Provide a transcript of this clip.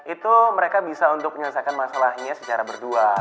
itu mereka bisa untuk menyelesaikan masalahnya secara berdua